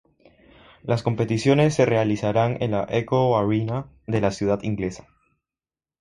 Las competiciones se realizarán en la Echo Arena de la ciudad inglesa.